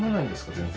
全然。